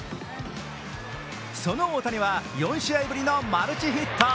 その大谷は４試合ぶりのマルチヒット。